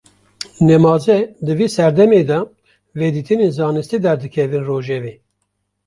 Nemaze di vê serdemê de, vedîtinên zanistî derdikevine rojevê